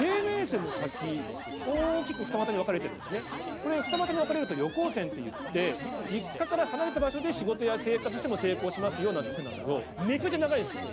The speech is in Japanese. これ二股に分かれると旅行線っていって実家から離れた場所で仕事や生活しても成功しますよなんて線なんですけどめちゃめちゃ長いんですよ。